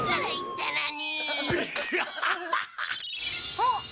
あっ！